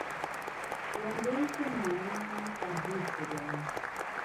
جملهای که معنی آن تحریف شده است